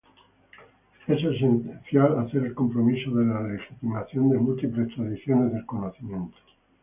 Es esencial hacer el compromiso de la legitimación de múltiples tradiciones del conocimiento.